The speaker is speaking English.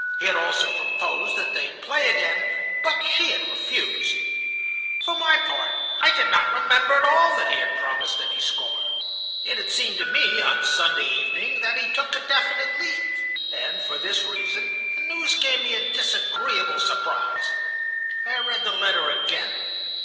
He had also proposed that they play again, but she had refused. "For my part, I did not remember at all that he had promised any score. It had seemed to me on Sunday evening that he took a definite leave, and for this reason the news gave me a disagreeable surprise. I read the letter again.